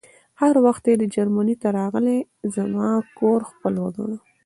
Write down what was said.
هر وخت چې جرمني ته راغلې زما کور خپل وګڼه